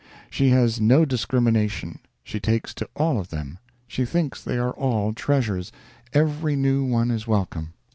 She has no discrimination, she takes to all of them, she thinks they are all treasures, every new one is welcome.